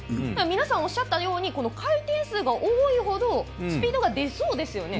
皆さんおっしゃったように回転数が多いほどスピードが出そうですよね。